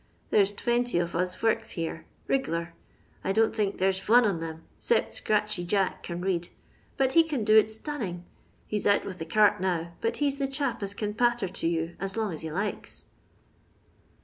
There 's tventy on us vorks here — ^riglar. I don't think there s von on 'em 'cept Scratchey Jack can read, but he can do it stunning; he's out vith the cart now, but he 's the chap as can patter to you as long as he likes."